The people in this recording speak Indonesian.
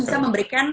dan bisa memberikan